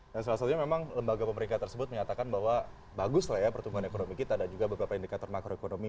dan salah satunya memang lembaga pemerintah tersebut menyatakan bahwa bagus lah ya pertumbuhan ekonomi kita dan juga beberapa indikator makroekonomi